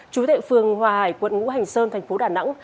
chú thệ phường hòa hải quận ngũ hành sơn thành phố đà nẵng